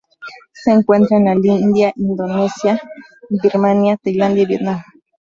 Se encuentra en la India, Indonesia, Birmania, Tailandia y Vietnam.